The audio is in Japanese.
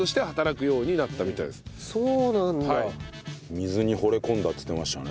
水に惚れ込んだって言ってましたよね